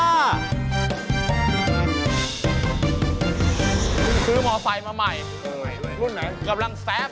ตัดสินและประกาศรายชื่อภาพเซลฟี่ของใครที่ถูกใจทีมงานมากที่สุด